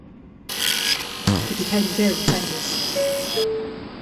He became very famous.